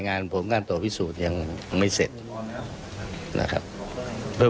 แนวโน้มก็รูปคดีก็เปลี่ยน